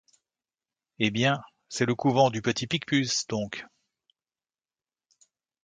Eh bien, c'est le couvent du Petit-Picpus donc!